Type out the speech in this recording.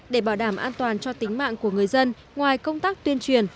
để bảo đảm an toàn cho tính mạng của người dân ngoài công tác tuyên truyền